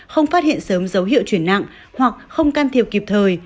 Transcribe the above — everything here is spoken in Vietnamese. không phát hiện sớm dấu hiệu chuyển nặng hoặc không can thiệp kịp thời